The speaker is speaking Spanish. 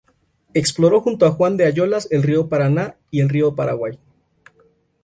Exploró junto a Juan de Ayolas el río Paraná y el río Paraguay.